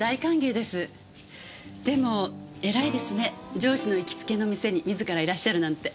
上司の行きつけの店に自らいらっしゃるなんて。